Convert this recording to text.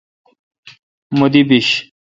مہ دی بیش۔